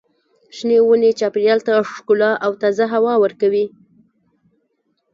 شنې ونې چاپېریال ته ښکلا او تازه هوا ورکوي.